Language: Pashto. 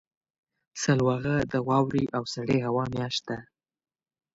سلواغه د واورې او سړې هوا میاشت ده.